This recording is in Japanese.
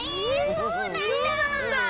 そうなんだ！